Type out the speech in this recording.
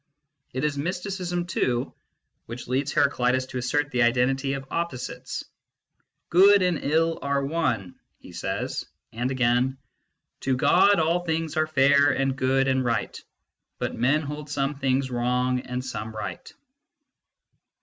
It is mysticism, too, which leads IleTaeiitus to assert the identity of opposites :" Good and ill are one," he says ; and again :" To God all things are fair and good and right, but men hold some things wrong and some right."